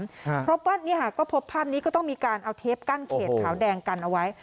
เพราะว่าเนี้ยค่ะก็พบภาพนี้ก็ต้องมีการเอาเทปกั้นเขตขาวแดงกันเอาไว้